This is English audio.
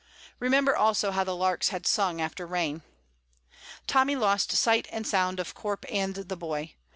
Remember also how the larks had sung after rain. Tommy lost sight and sound of Corp and the boy.